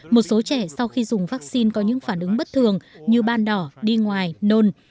một số trẻ sau khi dùng vaccine có những phản ứng bất thường như ban đỏ đi ngoài nôn